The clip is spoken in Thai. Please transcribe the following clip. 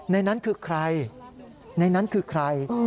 ในนั้นคือใครในนั้นคือใคร